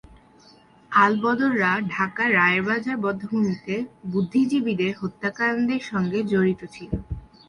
আল-বদররা ঢাকার রায়েরবাজার বধ্যভূমিতে বুদ্ধিজীবীদের হত্যাকাণ্ডের সঙ্গে জড়িত ছিল।